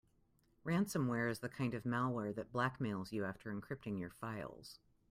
Ransomware is the kind of malware that blackmails you after encrypting your files.